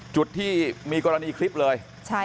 จุดที่มีกรณีคลิปเลย